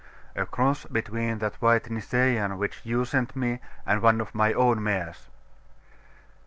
'A cross between that white Nisaean which you sent me, and one of my own mares.